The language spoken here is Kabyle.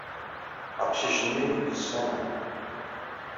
Aqcic-nni ineggez s aman.